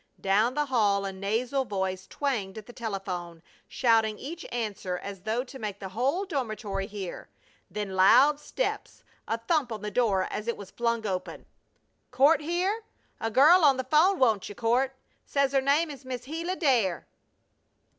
Down the hall a nasal voice twanged at the telephone, shouting each answer as though to make the whole dormitory hear. Then loud steps, a thump on the door as it was flung open: "Court here? A girl on the 'phone wants you, Court. Says her name is Miss Gila Dare."